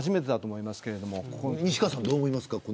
西川さん、どう思いますか。